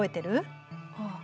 ああ。